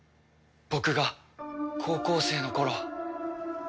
僕が高校生の頃。